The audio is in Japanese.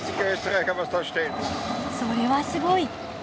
それはすごい。